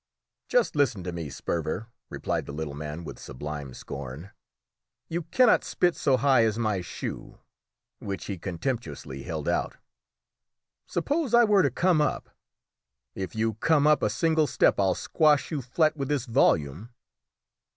"Just listen to me, Sperver," replied the little man with sublime scorn; "you cannot spit so high as my shoe!" which he contemptuously held out. "Suppose I were to come up?" "If you come up a single step I'll squash you flat with this volume!"